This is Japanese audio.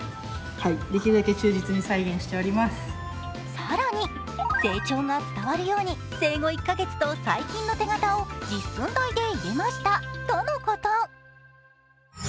更に成長が伝わるように生後１カ月と最近の手形を実寸大で入れましたとのこと。